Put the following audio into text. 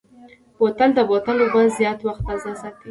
بوتل د بوتل اوبه زیات وخت تازه ساتي.